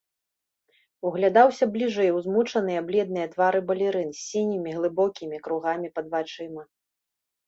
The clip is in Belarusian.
Углядаўся бліжэй у змучаныя, бледныя твары балерын, з сінімі глыбокімі кругамі пад вачыма.